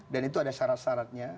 dan itu ada syarat syaratnya